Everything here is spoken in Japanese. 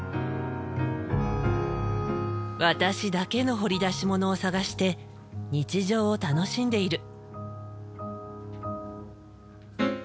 私だけの掘り出しものを探して日常を楽しんでいる。